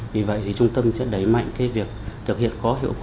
vì vậy trung tâm sẽ đẩy mạnh cái việc thực hiện có hiệu quả